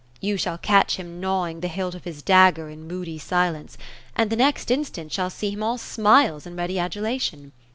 You shall catch him gnawing the hilt of his dagger in moody silence, and the next instant shall see him all smiles and ready adulation.